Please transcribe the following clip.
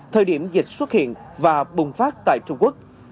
thời điểm dịch xuất hiện và bùng phát tại trung quốc